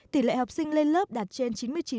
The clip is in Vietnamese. tỷ lệ học sinh lên lớp đạt trên chín mươi chín